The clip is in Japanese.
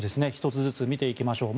１つずつ見ていきましょう。